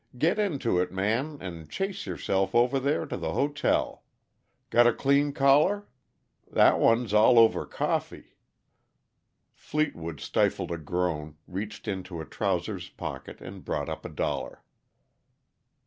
Get into it, Man, and chase yourself over there to the hotel. Got a clean collar? That one's all over coffee." Fleetwood stifled a groan, reached into a trousers pocket, and brought up a dollar.